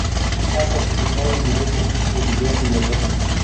Ha participado en diversos discos de jazz y de rock.